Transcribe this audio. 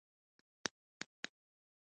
مېز د ښکلا، نظم او آرامي ځای دی.